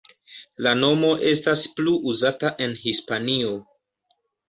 La nomo estas plu uzata en Hispanio.